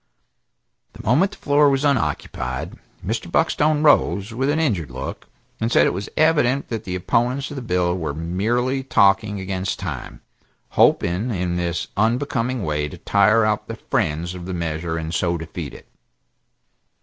The moment the floor was unoccupied, Mr. Buckstone rose, with an injured look, and said it was evident that the opponents of the bill were merely talking against time, hoping in this unbecoming way to tire out the friends of the measure and so defeat it.